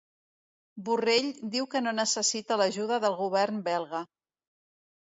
Borrell diu que no necessita l'ajuda del govern belga